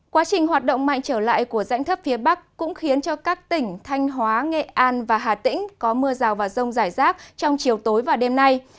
quá trình hoạt động mạnh trở lại của rãnh thấp phía bắc cũng khiến cho các tỉnh thanh hóa nghệ an và hà tĩnh có mưa rào và rông rải rác trong chiều tối và đêm nay